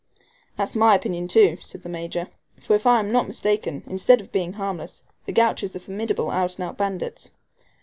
"That's my opinion too," said the Major, "for if I am not mistaken, instead of being harmless, the Gauchos are formidable out and out bandits."